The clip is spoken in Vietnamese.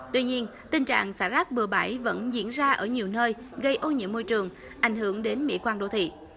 tuy nhiên tình trạng xả rác bừa bãi vẫn diễn ra ở nhiều nơi gây ô nhiễm môi trường ảnh hưởng đến mỹ quan đô thị